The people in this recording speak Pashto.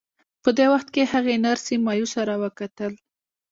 په دې وخت کې هغې نرسې مایوسه را وکتل